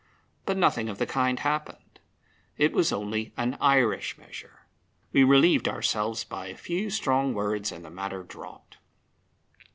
But nothing of the kind happened. It was only an Irish measure. We relieved ourselves by a few strong words, and the matter dropped.